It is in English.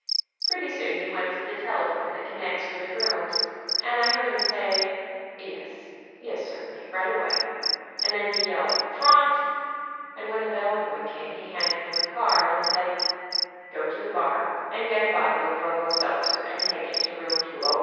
Pretty soon he went to the telephone that connects with the rooms, and I heard him say, "Yes, yes, certainly, right away." And then he yelled "Front," and when a bell boy came he handed him a card, and said, "Go to the bar and get a bottle of HOW THE FIREMAN FELL OVER A COW 197 bromo seltzer and take it to room 201."